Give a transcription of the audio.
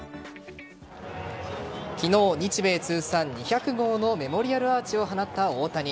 昨日、日米通算２００号のメモリアルアーチを放った大谷。